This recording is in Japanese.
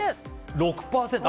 ６％。